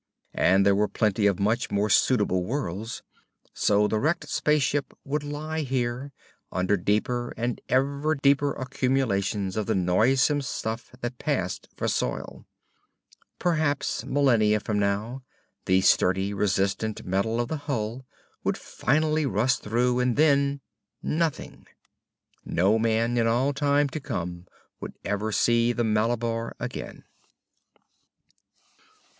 And there were plenty of much more suitable worlds. So the wrecked space ship would lie here, under deeper and ever deeper accumulations of the noisesome stuff that passed for soil. Perhaps millenia from now, the sturdy, resistant metal of the hull would finally rust through, and then nothing. No man in all time to come would ever see the Malabar again.